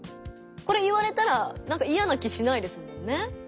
これ言われたらなんかいやな気しないですもんね。